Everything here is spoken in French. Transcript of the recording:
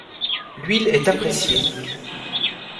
L'huile est appréciée.